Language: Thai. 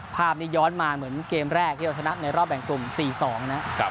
ภาพนี้ย้อนมาเหมือนเกมแรกที่เราชนะในรอบแบ่งกลุ่ม๔๒นะครับ